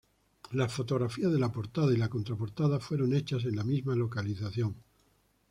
Las fotografías de la portada y la contraportada fueron hechas en la misma localización.